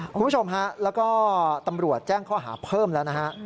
คุณผู้ชมฮะแล้วก็ตำรวจแจ้งข้อหาเพิ่มแล้วนะฮะ